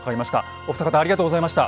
お二方ありがとうございました。